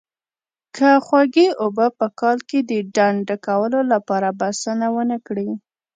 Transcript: که خوږې اوبه په کال کې د ډنډ ډکولو لپاره بسنه ونه کړي.